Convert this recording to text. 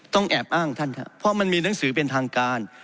แอบอ้างท่านครับเพราะมันมีหนังสือเป็นทางการ